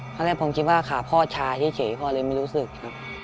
แรกผมคิดว่าขาพ่อชาเฉยพ่อเลยไม่รู้สึกครับ